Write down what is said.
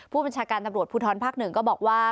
ผู้บัญชาการตำรวจพูทรภักดิ์หนึ่งก็บอกว่า